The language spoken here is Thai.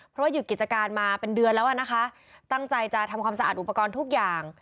เพราะว่าหยุดกิจการมาเป็นเดือนแล้วอ่ะนะคะตั้งใจจะทำความสะอาดอุปกรณ์ทุกอย่าง